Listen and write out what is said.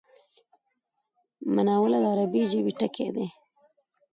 مناوله د عربي ژبی ټکی دﺉ.